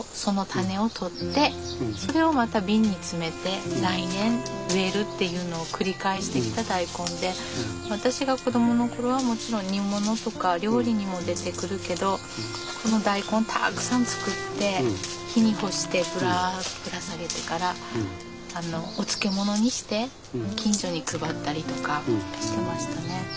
昔の人だからっていうのを繰り返してきた大根で私が子どもの頃はもちろん煮物とか料理にも出てくるけどこの大根たくさん作って日に干してぶらっとぶら下げてからお漬物にして近所に配ったりとかしてましたね。